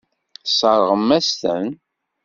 Tesseṛɣem-as-ten.